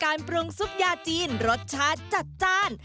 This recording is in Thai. ปรุงซุปยาจีนรสชาติจัดจ้าน